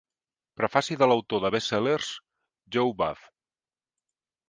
Prefaci de l'autor de best sellers Joe Buff.